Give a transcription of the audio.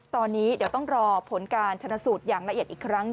ตอนนี้เดี๋ยวต้องรอผลการชนะสูตรอย่างละเอียดอีกครั้ง